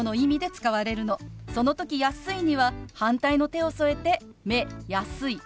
その時「安い」には反対の手を添えて「目安い」。